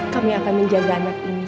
kami akan menjaga anak ini